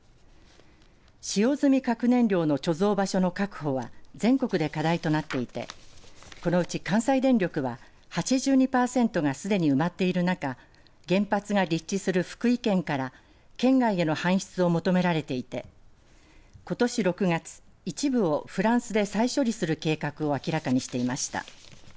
使用済み核燃料の貯蔵場所の確保は全国で課題となっていてこのうち、関西電力は８２パーセントがすでにまっている中原発が立地する福井県から県外への搬出を求められていてことし６月一部をフランスで再処理する計画を明らかにしていました。